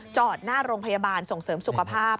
จอดหน้าโรงพยาบาลส่งเสริมสุขภาพ